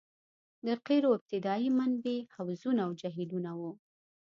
د قیرو ابتدايي منبع حوضونه او جهیلونه وو